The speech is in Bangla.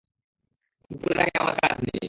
দুপুরের আগে আমার কাজ নেই।